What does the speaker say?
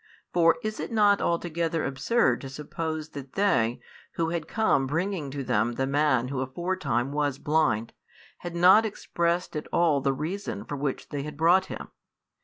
For is it not altogether absurd to suppose that they, who had come bringing to them the man who aforetime was blind, had not expressed at all the reason for which they had brought him?